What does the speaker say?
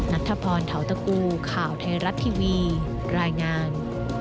นัทธพรเทาตะกูข่าวไทยรัฐทีวีรายงาน